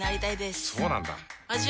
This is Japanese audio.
そうなんだ。